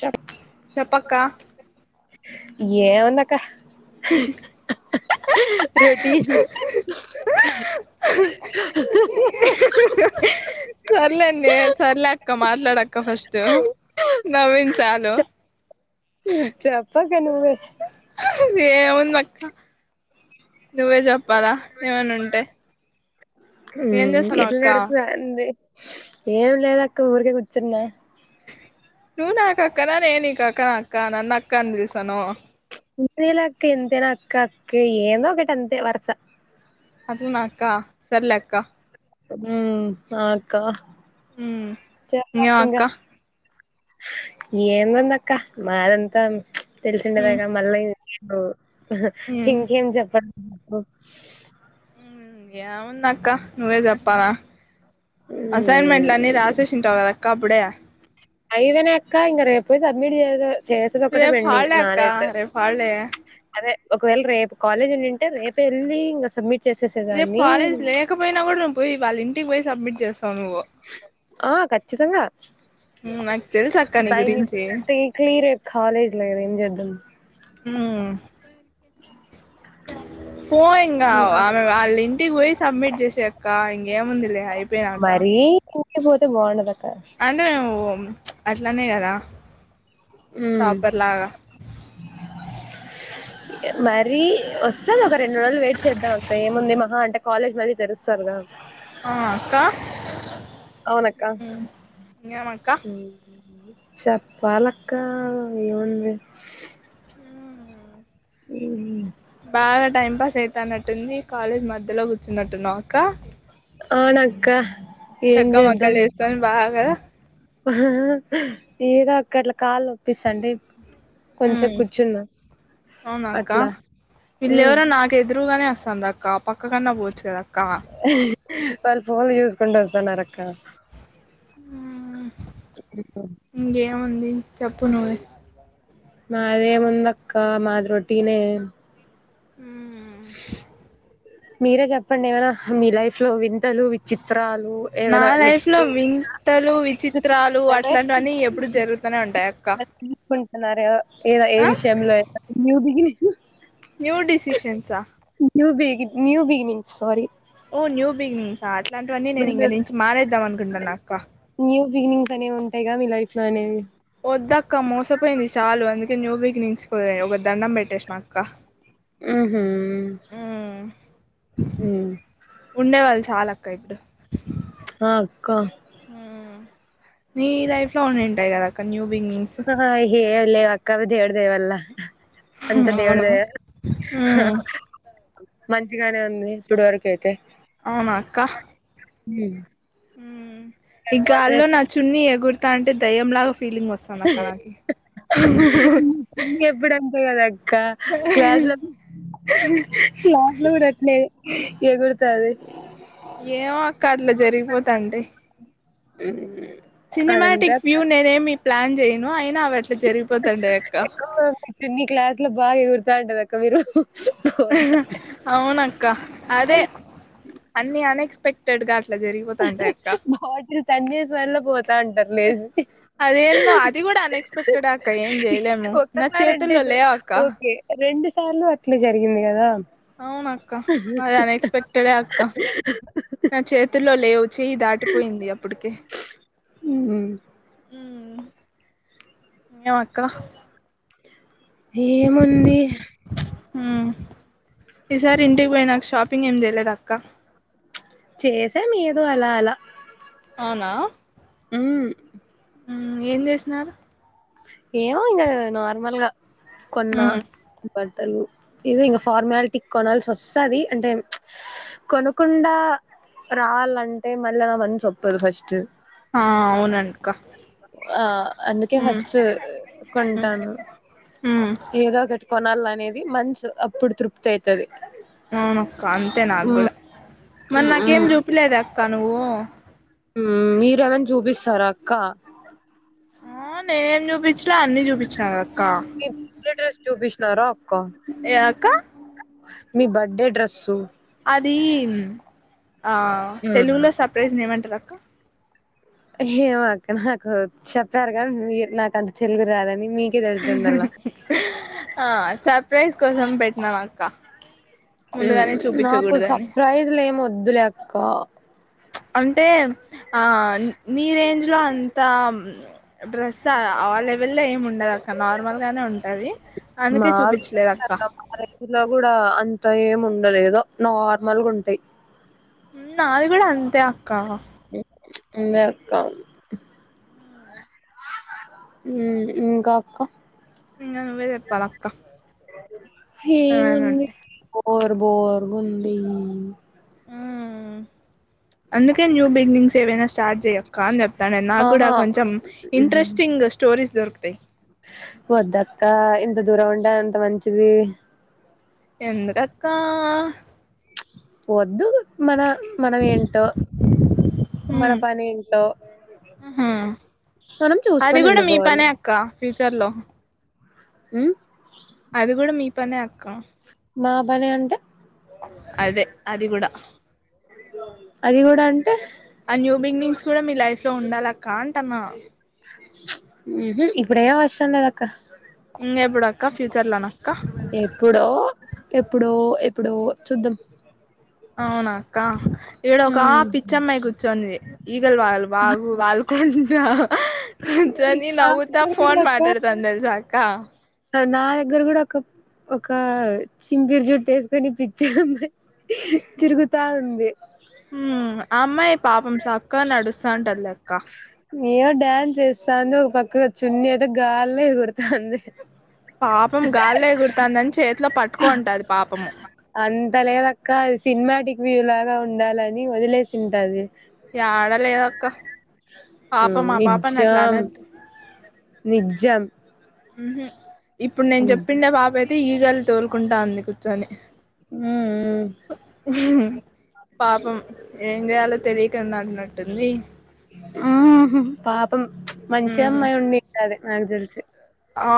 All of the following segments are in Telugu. చెప్ చెప్పక్క ఏ ఉంది అక్క రొటీన్ సర్లేండి సర్లే అక్క మాట్లాడక్క ఫస్ట్ నవ్వింది చాలు చెప్పక్క నువ్వే ఏం వుంది అక్క నువ్వే చెప్ చెప్పాలా ఏమైనా ఉంటే ఏం ఉమ్ చేస్తానవ్ ఎట్లా అక్క నడుస్తు అంది ఏం లేదు అక్క ఊరికే కూర్చున్నా నువ్వు నా అక్క న నేను నీకు అక్క నా అక్క నన్న అక్క అన్ని పిలుస్తున్నావ్ ఉన్నీలే అక్క ఎంతైనా అక్క అక్కే ఏందోకటి అంతే వరుస అట్లన అక్క సర్లే అక్క. ఉమ్మ్ స అక్క హ్మ్ చెప్పక్క ఇంగేమ్ అక్క ఇంగా ఏందందక్క మారింతన్. తెలిసిందెగ మ్ ఇగ మళ్ళీ ఎ. ఓ మ్ ఇంకేం జెప్ప బొ ఏంవుంది అక్క నువ్వే జెప్పాల. ఉమ్ అసైన్మెంట్లు అన్నీ రాసేసి ఉంటావ్ కదా కప్పుడే ఆ అయివేన అక్కా ఇంగ రేపే సబ్మిట్ జేసే. రేప్ హాల్ డే అక్క రేప్ హల్ డే అదే ఒకవేళ రేపు కాలేజ్ ఉండుంటే రేపే ఎళ్ళి ఇంగ సబ్మిట్. రేప్ చేసేసేదాన్ని కాలేజ్ లేకపోయినా గూడా నేన్ పోయి వాళ్ళ ఇంటికి పోయి సబ్మిట్. చేస్తావు నువ్వు ఆ క చ్చితంగ నాకు తెలుసు అక్క నీ బై మిస్ గురించి థింక్ లీ రేప్ కాలేజ్ లేదేమో. జెదం హ్మ్ పోఇంగా ఇంకా ఆ ఆళ్ళ్ ఇ టికి పోయి సబ్మిట్ జేసే క్క ఇంకేంముందిలే అయిపోయినాకా ఎ బోతే బవుండద అందే నువ్వు మ్ అట్లనే కదా మ్ సపర్లగ మరీ వచ్చెస్సాన్ కదా రెండు రోలు వెయిట్ చేద్దాం అక్క ఏముంది మహా అంటే. కాలేజ్ మళ్ళీ తెరుస్తార్గ ఆ అక్క అవునక్క ఇంకేమక్క హ్మ్ చెప్పాలక్కా ఏముంది. ఉమ్, బాగా టైమ్ పాస్ అ తనేట్టుంది కాలేజ్ మధ్యలో కూర్చున్నట్టు ఉన్నావ్ వక్క అవునక్క చక్క మక్కల్ వేసుకొని బాగా ఆహ్ ఏదో అక్క అట్లా కాళ్ నొప్పొస్తంది ఉ అవునాక్క అట్లా ఉమ్ ఇల్లెవరో నాకైత్ నే అస్తాంద్ అక్క పక్కనన్న కూర్చో అక్కా వాళ్ళు ఫోన్లు చూసుకుంటా వస్తన్నార్ అక్క ఉ ఇ ఏముంది చెప్పు నువ్వే మాదేముందక్క మాది రోటీనే హ్మ్ మీరే చెప్పండి ఏమైనా మీ లైఫ్ లో వింతలు విచిత్ర నా లైఫ్ లో వింతలు నెక్స్ట్ విచిత్రాలు అట్లాంటివన్నీ ఎప్పుడు జరుగుతానే ఉంటాయి అక్క మల్లారో ఏదా ఏ ఆ విషయంలో న్యూ బిగీ న్యూ డిసిషన్ ఉంది న్యూ బిగినింగ్స్ సారీ ఓ న్యూ బిగినింగ్స్ ఆ అట్ లాంటివన్నీ నేను ఇంగ నుంచి మానేదాం అన్ న్యూ బిగినింగ్స్ అనేవుంటాయిగా విళ్ళా లైఫ్ లో అనేవి వద్దక్క మోసపోయింది చాలు అందుకే న్యూ బిగినింగ్స్ ఓ ఒక దండం పెట్టేసిన అక్క ఉహు హ్ ఉహ్ క్క ఇప్పుడూ ఆ అక్కా నీ లైఫ్ లో ఉండింటాయి కదా అక్క న్యూ బిగినింగ్స్ హా హా హి ఆ లే కవిధ ఏడదేవల్లా హ్మ్ మంచిగానే ఉంది ఇప్పుడు వరకు అయితే అవునా అక్క హ్మ్ ఉమ్ ఈ గాల్లో నా చున్నీ ఎగురతా అంటే దయ్యంలాగా ఫీలింగ్ వస్తాంది అక్క నాకి లాడి [unintelligible] క్లాస్లో క్లాస్ లో కూడాట్లే ఎగురుతాది ఏమొ అక్కట్ల జరిగిపోతాంది ఊ హూ సినిమాటిక్ వ్యూ నేనేమి ప్లాన్ చేయను అయినా ఆవి ఎకు క్లాస్ లో బాగా ఎగురు చాడ్ దక్క మీరు హా పోతా అవునా అదే అన్ని అన్ ఎక్స్పెక్టెడ్ గా అట్లా జరిగిపోతాంటయ్ అక్క బాటిల్ తన్నేసి వల్ల పోతా ఉంటారు లేసి అదేందో అది కూడా అన్ఎక్స్పెక్టెడే అక్క ఏం చేయలేము నా ఒకసారి అంటే చేతుల్లో లేవు అక్క ఓకే రెండు సార్లు అట్లే జరిగింది కదా అవున అక్క అది అన్ఎక్స్పెక్టెడ్ అక్క నా చేతుల్లో లేవు చెయ్యి దాటిపోయింది అబ్బటికే హ్మ్ ఆ ఇంకేం అక్క [inaudible] ఏముంది ఉమ్ ఈసారి ఇంటికి పోయి నాకు షాపింగ్ ఏం చెయ్యలేదా అక్క చేశాం ఏదో అలా అలా అవునా ఊ ఏం చేసినారు ఏమో ఇంకా నార్మల్గా కొన్నా ఉమ్ ఇదే ఇంకా ఫార్మాలిటీ కొనాల్సి వస్తుంది అంటే కొనకుండా రావాలంటే మళ్ళీ నా మనసు ఒప్పుకోదు ఫస్ట్ ఆ అవును అక్క ట్ కొంటాను ఉమ్ ఏదో ఒక కొనాల అనేది మనసు అప్పుడు తృప్తి ఐతది అవును అక్క అంతే నాకు కూడా మరి హ్మ్ నాకేం హ్మ్ చూపిలేదే క నువ్వు మీరేమైనా చూపిస్తారా అక్క ఆ నేనేం చూపించలే అన్ని చూపింనా కదా బర్త్డే డ్రెస్ చూపించిన [unintelligible] క ఏ అక్క మీ బర్త్డే డ్రెస్సు అధీ మ్మ్ తెలుగులో సర్ప్రైజ్న్ ఏమంటారు అక్క ఏమక్క నాకు చెప్పారుగా మీరు నాకంత తెలుగు రాదని మీకే తెలుసుండల్లా ఆ స ప్రైస్ కోసం పెట్టినాను అక్క ముందుగానే నాకు చూపించకూడదని సర్ప్రైజ్లు ఏం వద్ద దు లే అక్క అంటే ఆ నీరేంజ్ ఇంట్లో అంత డ్రెస్ అవ్వాల వెళ్ళ ఏమి ఉండదు అక్కడ నార్మల్ గానే ఉంటది అందుకే మా చూపించలేదు అక్క [unintelligible] కూడా అంతా ఏముండదు ఉండదు ఏదో నార్మల్గా ఉంటాయి నాది కూడా అంతే అక్క ఇంకా అ ఇంకా అక్క నువ్వేచెప్పలక్క ఏముంది బోర్ బోర్గుంది ఉమ్ ఆ అందుకే న్యూ బిగనింగ్స్ ఏవైనా స్టార్ట్ చెయ్యక్క చె అ నాకు కూడా ఆహా కొంచెం మ్మ్. ఇంట్రెస్టింగ్ స్టోరీస్ దొరుకుతాయి వద్దక్క ఇంత దూరం ఉంట ఎంత మంచిది ఎందుకక్క వద్దు మన మనం ఏంటో మన మ్మ్ పని ఏంటో హు మనం చూసుకొని వెళ్ళిపోవాలి ఫ్యూచర్లో హ్మ్మ్ అది కూడా మీ పనే అక్క మా పనే అంటే అదే అది కూడా అది కూడా అంటే ఆ న్యూ బిగినింగ్స్ కూడా మీ లైఫ్ లో ఉండాలి అక్క అంటన్నా ఊహు ఇప్పుడేం అవసరంలేదక్కా ఇంక ఎప్పుడుక్క ఫ్యూచర్ లోనక్క ఎప్పుడో ఎప్పుడో ఎప్పుడో చూద్దాం అవునా అక్క ఈడ ఒక ఉమ్ పిచ్చమ్మాయి కూర్చోంది ఈగలు వాలు వాగు వాళ్ళు కుంట కూర్చొని నా నవ్వుతా ఫోన్ దగ్గర కూడా మాట్లాడతందల్సాక్క నా దగ్గర కూడా ఒక ఒక చింపిరు జుట్టు వేసుకొని పిచ్చామే తిరుగుతా ఉంది హూ అమ్మాయి పాపం అక్కా నడుస్తాంటల్ల [inaudible] ఏవో డ్యాన్స్ చేస్తాంది ఒక పక్క చున్నీ అయితే గాలి ఎగురుతంది పాపం గాల్లో ఎగురుతందని చేతిలో పట్టుకోంటది పాపము తెలియదక్క అది సినిమాటిక్ వ్యూ లాగా ఉండాలని వదిలేసింటది యాడ లేదక్క హూ పాపం ఆ పాపని అట్లా నిజ్జం అనద్దు నిజ్జం ఉహూ ఇప్పుడు నేను చెప్పిండ పాపయితే అయితే ఈగలు తోలుకుంటా అంది కూర్చొని ఉమ్ పాపం ఏం చేయాలో తెలియకుండా అంటున్నట్టు టుంది ఊహు పాప ఉ మంచి ఉమ్ అమ్మాయి ఉందింటదీ నాక్ తెలిసి ఆ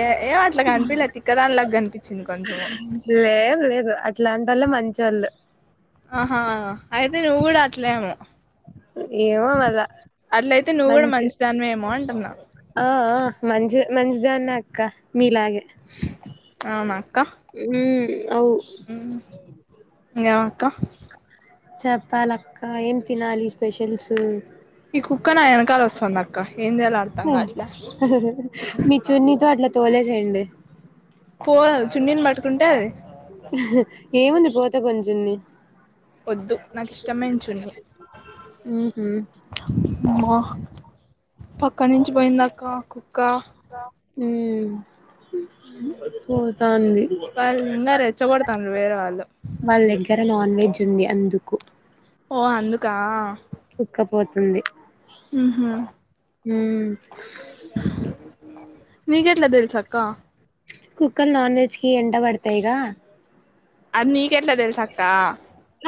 ఏ ఏం అట్లా కనిపిలే తిక్కదాని లాగా కనిపించింది కొంచం అల మంచోలూ ఆహా అయితే నువ్వు కూడా అట్లేమో ఏమో మళ్ళా అట్లయితే నువ్వు కూడా మంచి మంచిదానివేమో [inaudible] ఆ ఆ మంచిగ మంచిదానే అక్క మీలాగే అవునా మ్మ్ అవ్వు క్క చెప్పాలక్క ఏం తినాలి స్పెషల్సు ఈ కుక్క నా వెనకాల వస్తాంధక్క ఏం చేయాలో అర్తంగావట్ల తొలేసేయండి పోవవి చున్నీని పట్టుకుంటే అవి ఏముంది పోతే పోనీ చున్నీ వద్దు నాకు ఇష్టమైన చున్నీ మ్మ్ హు అమ్మ అక్కడినించి పోయిందక్క కుక్క మ్మ్ పోతాంది వాళ్ళు ఇంగా రెచ్చగొడతాండ్రు వేరే వాళ్ళు వాళ్ దగ్గర నాన్ వెజ్ తుంది అందుకు ఓ అందుకా వుక్కపోతుంది మ్మ్ హు మ్మ్ మీకెట్లా తెలుసాక్క కుక్కలు నాన్ వెజ్ కి ఎంట పడతాయిగా అమ్మి నీకెట్లా తెల్సక్కా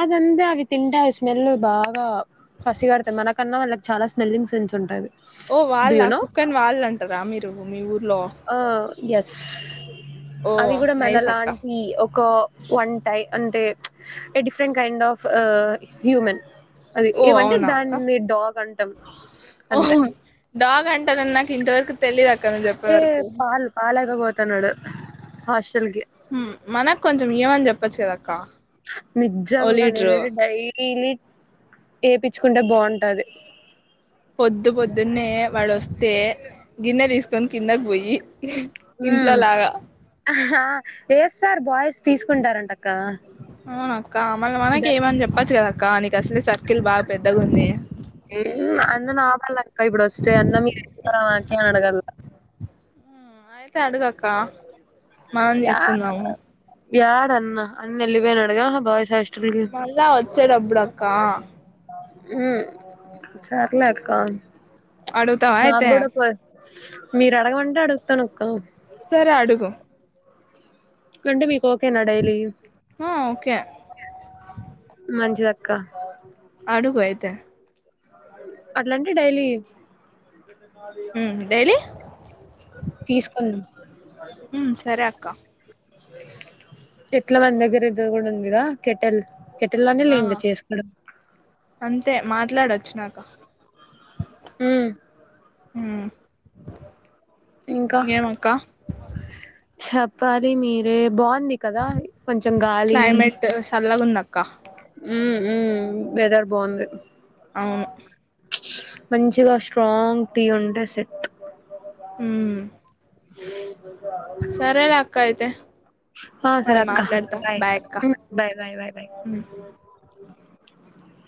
అదంతే అవి తింటే అవి స్మెల్ బాగా పసిగడతాయి మనకన్నా వాళ్ళకి చాలా స్మెల్లింగ్ సెన్స్ ఉంటది ఓ డూ యూ వాళ్ళ నో కుక్కని వాళ్ళంటారా మీరు మీ ఊరు ఆ యస్ ఓ అవి కూడా నైస్ అక్క మనలాంటి ఒక వన్ టై అంటే a different kind of human అది ఓ ఏమంటే అవునా అక్క దాన్ని డాగ్ అంటాం ఓ అంతే తెలీదక్క నువ్వు చెప్పే వరకు కన్నడ హాష్ మ్మ్ మనక్ కొంచెం మీయవన్ చెప్పచ్ కదా అక్కా నిజ్జంగా నేనైతే డై లీ ఎపిచ్చుకుంటే బాగుంటది పొద్దు పొద్దున్నే వాడు వస్ తే గిన్నె తీసుకొని కిందకి పోయి హ్మ్. ఇంట్లోలాగా సార్ బాయిస్ ఆ అక్క మల్ల మనకి ఏమని చెప్పచ్చు కద్ కా నీక్ అసలే సర్కిల్ బాగా పెద్దగా ఉంది హ్మ్. అన్న నా వల్లక్క ఇప్పుడొస్తే అన్న మీరిస్తారా నాకి అని అడగల్ల. అయితే అడుగాక్క మనం తీసుకుందాము యడా అన్న అన్న ఎలిపోయినాడు కదా బాయ్స్ హాస్ మళ్ళా వచ్చే డప్పుడాక్ క్కా సర్లే అక్కా అడుగుతావా అయితే నాగూడ పో మీరు అడగమంటే అడుగుతాను అక్క సరే అడుగు కంటే మీ ఓకే నా డైలీ కే మంచిదక్క అడుగు అయితే అట్లాంటే డైలీ ఉమ్ డైలీ తీసుకున్ ఉ సరే అక్క ఎట్ల మందగ్గర ఇద్ద కూడా ఉందిగా కెటెల్ ఆ కెట్టెలానేలే ఇంక చేసుకోడం చ్ నాకా హ్మ్ ఆ ఇంకా చెప్ వారి మీర బాగుం ది కదా కొంచెం గాలి క్లైమేట్ చల్లగుందక్క హ్మ్ ఉ వెదర్ బాగుంది అవును మంచిగా స్ట్రాంగ్ టీ ఉంటే సెట్ హ్మ్ అయితే ఆ ఆ సరే మళ్ళీ అక్క మాట్లాడతా బాయి బాయ్ అక్క బాయ్ బాయ్ బాయ్ ఉమ్